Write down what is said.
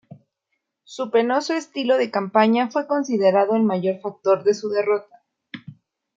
Su penoso estilo de campaña fue considerado el mayor factor de su derrota.